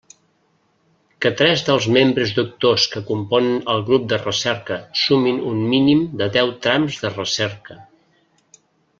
Que tres dels membres doctors que componen el grup de recerca sumin un mínim de deu trams de recerca.